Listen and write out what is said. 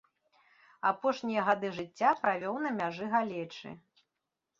Апошнія гады жыцця правёў на мяжы галечы.